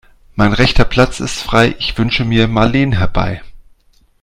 Mein rechter Platz ist frei, ich wünsche mir Marleen herbei.